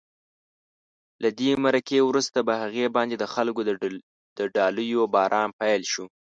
له دې مرکې وروسته په هغې باندې د خلکو د ډالیو باران پیل شو.